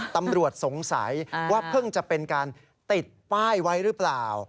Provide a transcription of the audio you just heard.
ตำรวจสงสัยว่าเพิ่งจะเป็นการติดป้ายไว้หรือเปล่า